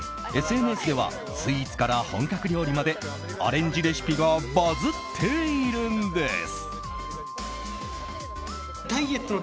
ＳＮＳではスイーツから本格料理までアレンジレシピがバズっているんです。